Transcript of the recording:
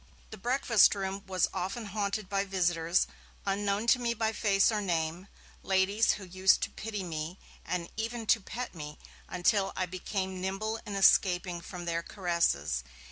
The breakfast room was often haunted by visitors, unknown to me by face or name, ladies, who used to pity me and even to pet me, until I became nimble in escaping from their caresses.